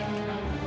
ya baik ya